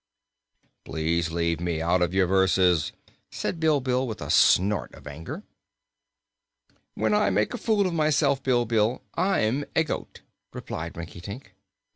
"Please leave me out of your verses," said Bilbil with a snort of anger. "When I make a fool of myself, Bilbil, I'm a goat," replied Rinkitink.